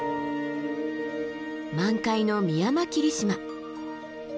満開のミヤマキリシマ。